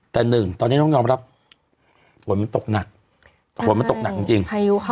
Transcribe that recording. แต่หนึ่งตอนนี้ต้องยอมรับฝนมันตกหนักฝนมันตกหนักจริง